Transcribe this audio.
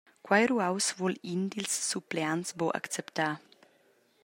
Quei ruaus vul in dils suppleants buc acceptar.